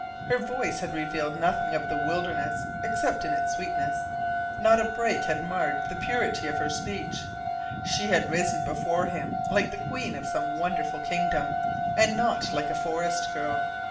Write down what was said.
Her voice had revealed nothing of the wilderness except in its sweetness. Not a break had marred the purity of her speech. She had risen before him like the queen of some wonderful kingdom, and not like a forest girl.